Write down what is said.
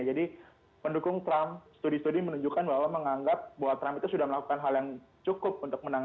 jadi pendukung trump studi studi menunjukkan bahwa menganggap bahwa trump itu sudah melakukan hal yang cukup untuk menangkapnya